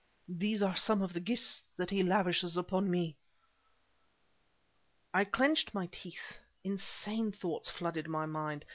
"These are some of the gifts that he lavishes upon me!" I clenched my teeth. Insane thoughts flooded my mind.